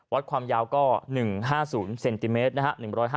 วัดความยาวก็๑๕๐เซนติเมตรนะฮะ